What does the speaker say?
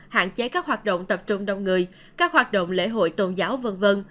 hạn chế các hoạt động tập trung đông người các hoạt động lễ hội tôn giáo v v